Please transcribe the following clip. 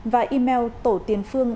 và email tổ tiền phương